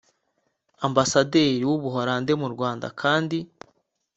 Ambasaderi w’Ubuholandi mu Rwanda kandi